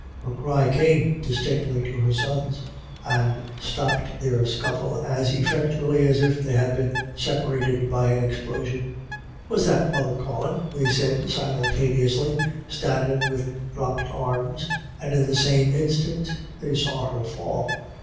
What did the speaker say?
Her cry came dis tinctly to her sons, and stopped their scuffle as effectually as if they had been separated by an explosion. " Was that mother call in* ?" they said simultaneously, standing with dropped arms ; and in the same instant they saw her fall.